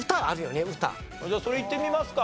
じゃあそれいってみますか。